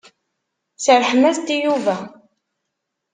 Serrḥem-as-d i Yuba.